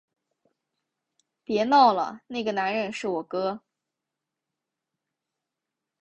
别闹了，那个男人是我哥